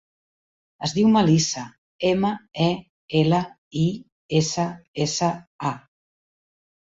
Es diu Melissa: ema, e, ela, i, essa, essa, a.